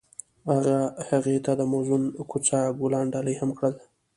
هغه هغې ته د موزون کوڅه ګلان ډالۍ هم کړل.